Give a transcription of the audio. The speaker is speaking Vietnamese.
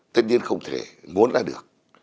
tất nhiên không thể muốn là được